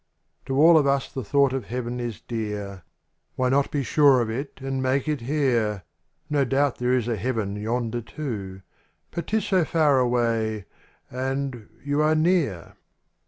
yg^ O all of us the thought of heaven is Why not be sure of it, and make it here ! No doubt there is a heaven yonder too. But 'tis so far away, and — you are near.